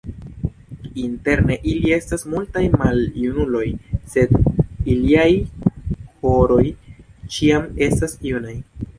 Inter ili estas multaj maljunuloj, sed iliaj koroj ĉiam estas junaj.